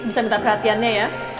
bisa minta perhatiannya ya